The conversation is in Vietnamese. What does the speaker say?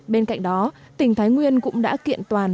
bên cạnh đó tỉnh thái nguyên cũng đã kiện toàn